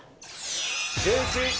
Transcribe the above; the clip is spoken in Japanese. シューイチ！